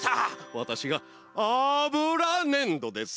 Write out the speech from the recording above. わたしがあぶらねんどです。